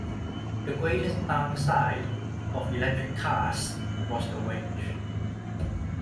The greatest downside of electric cars was the range.